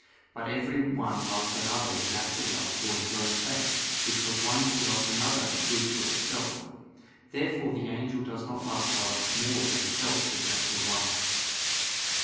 But every one loves another with natural love for his own sake: because one thing loves another as good for itself. Therefore the angel does not love God more than self with natural love.